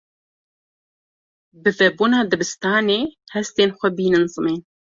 Bi vebûna dibistanê, hestên xwe bînin zimên.